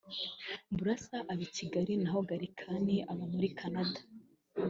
Burasa aba i Kigali na ho Gallican aba muri Canada